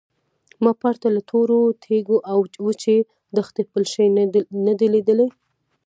ما پرته له تورو تیږو او وچې دښتې بل شی نه دی لیدلی.